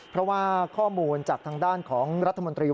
เพราะว่าข้อมูลจากทางด้านของรัฐมนตรี